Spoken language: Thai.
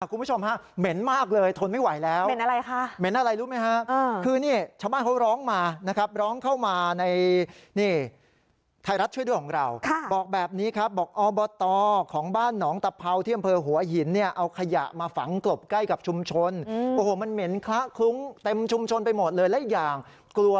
คุณผู้ชมเป็นเมนต์มากเลยทนไม่ไหวแล้ว